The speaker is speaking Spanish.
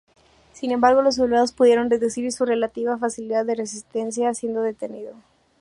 Sin embargo, los sublevados pudieron reducir con relativa facilidad su resistencia, siendo detenido.